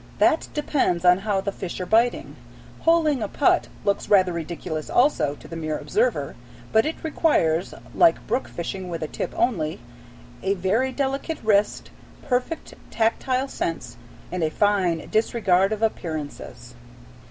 That depends upon how the fish are biting. Holing a put looks rather ridiculous also, to the mere observer, but it requires, like brook fishing with a tip only, a very delicate wrist, perfect tactile sense, and a fine disregard of appearances.